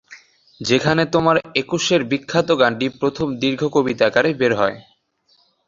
যেখানে তোমার একুশের বিখ্যাত গানটি প্রথম দীর্ঘ কবিতা আকারে বের হয়।